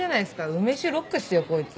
梅酒ロックですよこいつ。